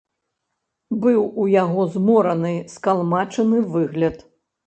Быў у яго змораны, скалмачаны выгляд.